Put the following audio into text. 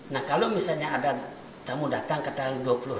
nah kalau misalnya ada tamu datang ke tanggal dua puluh satu